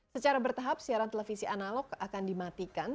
secara bertahap siaran televisi analog akan dimatikan